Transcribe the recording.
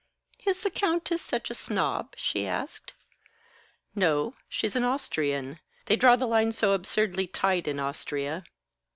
"Is the Countess such a snob?" she asked. "No; she's an Austrian. They draw the line so absurdly tight in Austria."